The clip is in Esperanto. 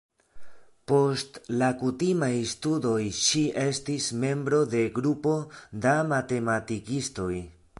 Post la kutimaj studoj ŝi estis membro de grupo da matematikistoj.